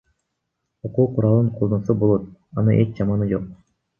Окуу куралын колдонсо болот, анын эч жаманы жок.